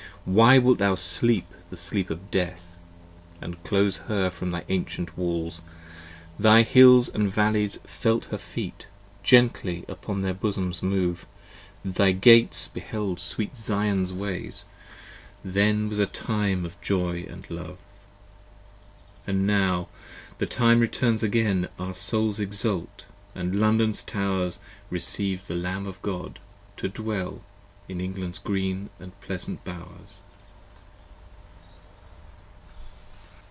Why wilt thou sleep the sleep of death, 80 And close her from thy ancient walls? Thy hills & valleys felt her feet, Gently upon their bosoms move: Thy gates beheld sweet Zion's ways: Then was a time of joy and love. 85 And now the time returns again: Our souls exult, & London's towers Recieve the Lamb of God to dwell 88 In England's green & pleasant bowers.